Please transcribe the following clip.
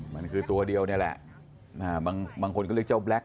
มันคือตัวเดียวนี่แหละบางคนก็เรียกเจ้าแล็ค